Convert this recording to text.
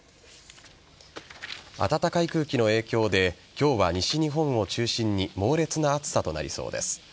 暖かい空気の影響で今日は西日本を中心に猛烈な暑さとなりそうです。